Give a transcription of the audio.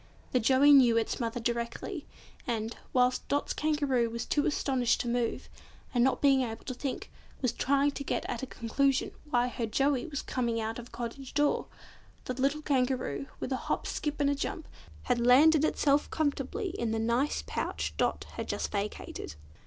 The Joey knew its mother directly, and, whilst Dot's Kangaroo was too astonished to move, and not being able to think, was trying to get at a conclusion why her Joey was coming out of a cottage door, the little Kangaroo, with a hop skip and a jump, had landed itself comfortably in the nice pouch Dot had just vacated.